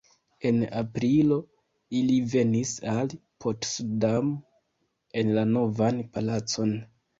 En aprilo ili venis al Potsdam en la Novan palacon.